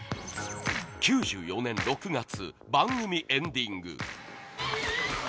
９４年６月番組エンディング